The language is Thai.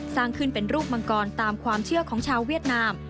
สร้างขึ้นเป็นรูปมังกรตามความเชื่อของชาวเวียดนาม